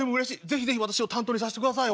是非是非私を担当にさせてください。